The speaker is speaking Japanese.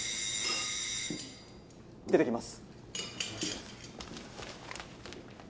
出てきます。